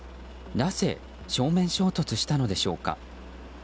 なぜ正面衝突したのでしょうか。